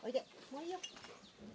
もういいよ。